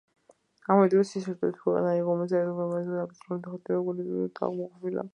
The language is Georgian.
ამავე დროს, ის ერთადერთი ქვეყანა იყო, რომელმაც გარემო მდგრადობაზე დაფუძნებული ხუთივე კრიტერიუმი დააკმაყოფილა.